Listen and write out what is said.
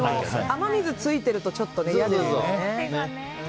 雨水がついてるとちょっと嫌ですよね。